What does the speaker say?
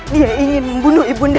dia ingin membunuh ibu dia